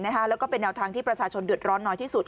แล้วก็เป็นแนวทางที่ประชาชนเดือดร้อนน้อยที่สุด